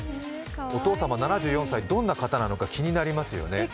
お父様７４歳、どんな方なのか気になりますよね？